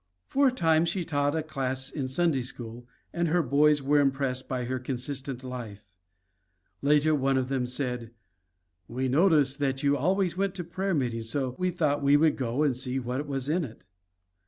For a time she taught a class in Sunday school, and her boys were impressed by her consistent life. Later, one of them said, "We noticed that you always went to prayer meeting so we thought we would go and see what was in it."